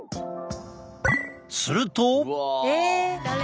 すると。